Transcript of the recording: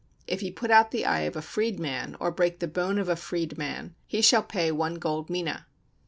If he put out the eye of a freed man, or break the bone of a freed man, he shall pay one gold mina.